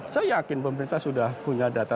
saya yakin pemerintah sudah punya data